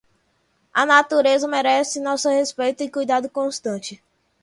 A natureza merece nosso respeito e cuidado constante.